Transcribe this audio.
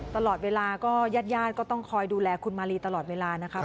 ตลอดเวลายาดก็ต้องคอยดูแลคุณมารีตลอดเวลานะคะ